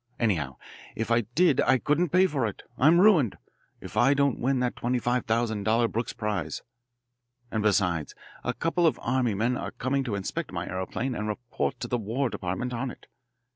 Anyhow, if I did I couldn't pay for it I am ruined, if I don't win that twenty five thousand dollar Brooks Prize. And, besides, a couple of army men are coming to inspect my aeroplane and report to the War Department on it.